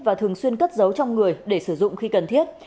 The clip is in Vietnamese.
và thường xuyên cất giấu trong người để sử dụng khi cần thiết